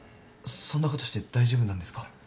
そんなことして大丈夫なんですか？